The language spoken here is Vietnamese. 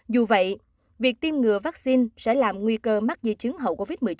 dù vậy việc tiêm ngừa vaccine sẽ làm nguy cơ mắc di chứng hậu covid một mươi chín